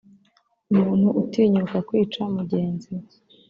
umuntu utinyuka kwica mugenzi we